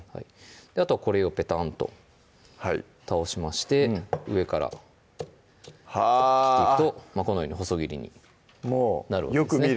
あとはこれをペタンと倒しまして上から切るとこのように細切りになるわけですね